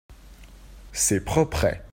C'est propret.